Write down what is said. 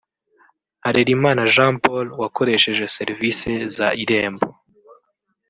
Harelimana Jean Paul wakoresheje serivise za Irembo